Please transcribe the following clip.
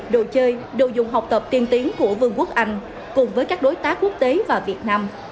đồ chơi đồ dùng học tập tiên tiến của vương quốc anh cùng với các đối tác quốc tế và việt nam